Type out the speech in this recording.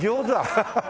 ハハハハ！